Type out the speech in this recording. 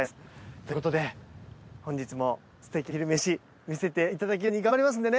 ということで本日もすてきな昼めし見せていただけるように頑張りますんでね